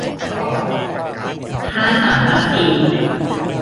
ค่าสัมประสิทธิ์